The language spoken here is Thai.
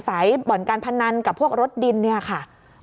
สายบ่อนการพนันกับพวกรถดินค่ะ